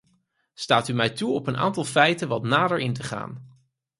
Staat u mij toe op een aantal feiten wat nader in te gaan.